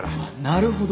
なるほど。